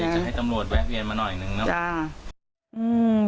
อยากจะให้ตำรวจแวะเวียนมาหน่อยหนึ่งเนอะ